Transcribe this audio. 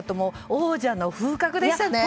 王者の風格でしたね。